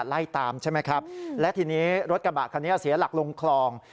ไล่ตามใช่ไหมครับและทีนี้รถกระบะคันนี้เสียหลักลงคลอง